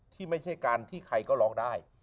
ที่ไม่ใช่การที่ใครก็ร้องได้